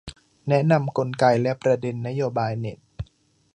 แนะนำกลไกและประเด็นนโยบายเน็ต